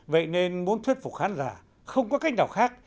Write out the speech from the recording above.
vậy nên muốn thuyết phục khán giả không có cách nào khác